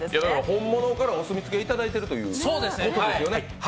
本物からお墨付きをいただいているということですよね。